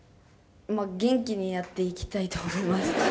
「元気にやっていきたいと思います」